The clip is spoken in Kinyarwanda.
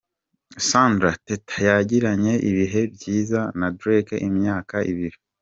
Sandra Teta yagiranye ibihe byiza na Derek imyaka ibiri.